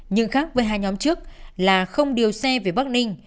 nhưng khác với hai nhóm trước là không điều xe về bắc ninh